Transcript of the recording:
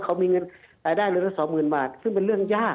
ได้รายได้เรือนละสองหมื่นบาทเพราะงานเป็นเรื่องยาก